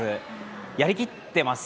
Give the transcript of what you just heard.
やりきってます。